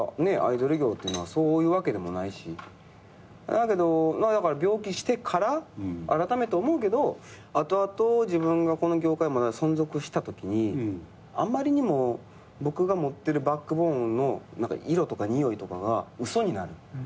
やけど病気してからあらためて思うけど後々自分がこの業界まだ存続したときにあんまりにも僕が持ってるバックボーンの色とかにおいとかが嘘になる。